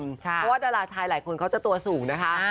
เพราะว่าดาราชายหลายคนเขาจะตัวสูงนะคะ